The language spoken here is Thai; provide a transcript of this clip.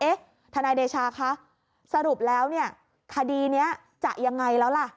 เอ๊ะทนายเดชาคะสรุปแล้วคดีนี้จะยังไงแล้วล่ะ